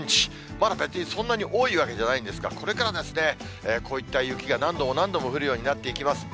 まだ別にそんなに多いわけじゃないですが、これからですね、こういった雪が何度も何度も降るようになってきます。